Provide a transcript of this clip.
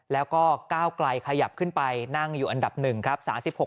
แล้วก็ก้าวไกลขยับขึ้นไปนั่งอยู่อันดับ๑ครับ